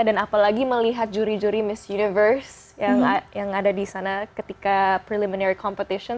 dan apalagi melihat juri juri miss universe yang ada di sana ketika preliminary competition